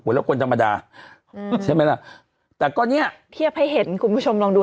เหมือนกับคนธรรมดาใช่ไหมล่ะแต่ก็เนี้ยเทียบให้เห็นคุณผู้ชมลองดู